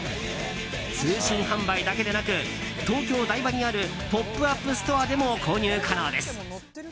通信販売だけでなく東京・台場にあるポップアップストアでも購入可能です。